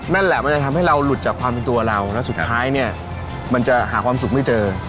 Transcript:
นั่นแหละมันจะทำให้เราหลุดจากความเป็นตัวเราแล้วสุดท้ายเนี่ยมันจะหาความสุขไม่เจอ